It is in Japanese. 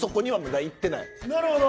なるほど！